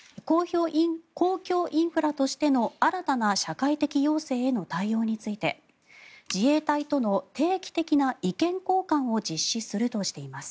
公共インフラとしての新たな社会的要請への対応について自衛隊との定期的な意見交換を実施するとしています。